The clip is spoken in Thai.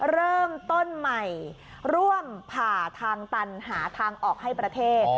เริ่มต้นใหม่ร่วมผ่าทางตันหาทางออกให้ประเทศ